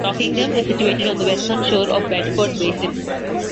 Rockingham is situated on the western shore of Bedford Basin.